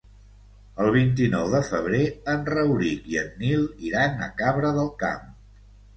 El vint-i-nou de febrer en Rauric i en Nil iran a Cabra del Camp.